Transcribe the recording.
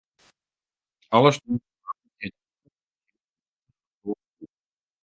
Alle saterdeitemoarnen is de mûne te besjen fan njoggen oant tolve oere.